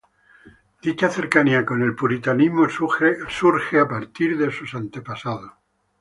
Dicha cercanía con el puritanismo surge a partir de sus antepasados.